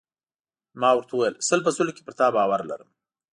ما ورته وویل: سل په سلو کې پر تا باور لرم.